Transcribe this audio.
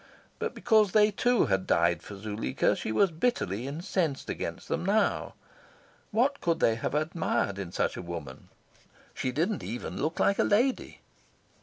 But, because they too had died for Zuleika, she was bitterly incensed against them now. What could they have admired in such a woman? She didn't even look like a lady.